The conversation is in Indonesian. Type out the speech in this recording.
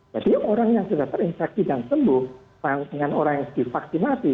jadi orang yang sudah terinfeksi dan sembuh dengan orang yang divaksinasi